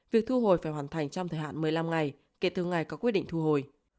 việc thu hồi phải hoàn thành trong thời hạn một mươi năm ngày kể từ ngày có quyết định thu hồi